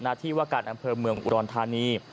ที่ว่าการอำเภอเมืองอุดรธานี